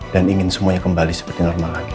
dan ingin semuanya kembali seperti normal lagi